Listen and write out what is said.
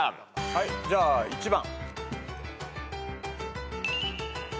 はいじゃあ１番。